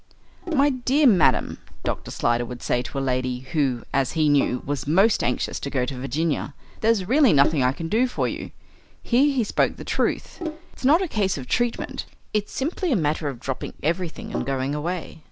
"My dear madam," Dr. Slyder would say to a lady who, as he knew, was most anxious to go to Virginia, "there's really nothing I can do for you." Here he spoke the truth. "It's not a case of treatment. It's simply a matter of dropping everything and going away.